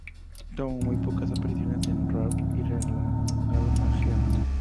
Tuvo muy pocas apariciones en "Raw" y fue relegado a "Heat".